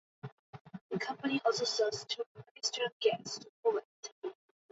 The company also sells Turkmenistan gas to Poland.